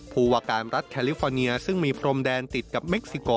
ภูวาการรัฐแคลิฟอร์เนียซึ่งมีพรมแดนติดกับเม็กซิโก